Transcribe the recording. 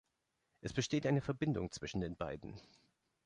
Es besteht eine Verbindung zwischen den beiden.